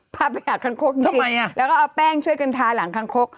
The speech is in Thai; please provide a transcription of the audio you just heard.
พาไปหาคังคกจริงแล้วก็เอาแป้งช่วยกันทาหลังคางคก